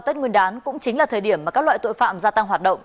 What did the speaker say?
tết nguyên đán cũng chính là thời điểm mà các loại tội phạm gia tăng hoạt động